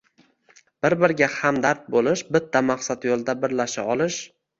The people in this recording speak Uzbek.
bir-biriga hamdard bo‘lish, bitta maqsad yo‘lida birlasha olish